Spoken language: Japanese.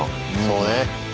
そうね。